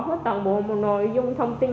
hết toàn bộ một nội dung thông tin